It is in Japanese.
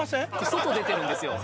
外出てるんですよ。